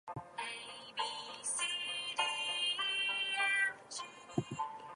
Baldwin played high school football at Farmington High School and Waterford Mott High School.